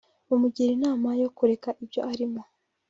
baramugira Inama yo kureka ibyo arimo